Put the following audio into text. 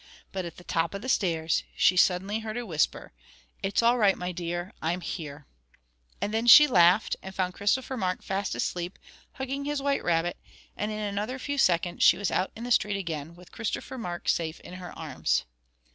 But at the top of the stairs she suddenly heard a whisper, "It's all right, my dear, I'm here." And then she laughed, and found Christopher Mark fast asleep, hugging his white rabbit; and in another few seconds she was out in the street again, with Christopher Mark safe in her arms.